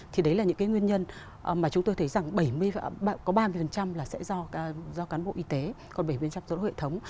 thì đấy là những cái nguyên nhân mà chúng tôi thấy rằng có ba mươi là sẽ do cán bộ y tế còn bảy mươi là do hội thống